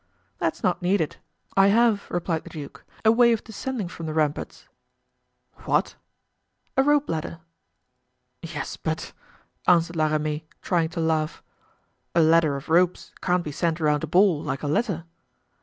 "That's not needed. I have," replied the duke, "a way of descending from the ramparts." "What?" "A rope ladder." "Yes, but," answered La Ramee, trying to laugh, "a ladder of ropes can't be sent around a ball, like a letter."